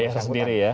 bayangkan sendiri ya